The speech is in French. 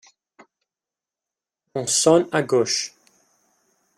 On sonne à gauche.